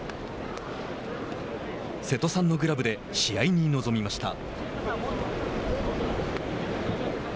瀬戸さんのグラブで試合に臨みました。